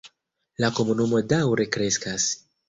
La komunumo daŭre kreskas.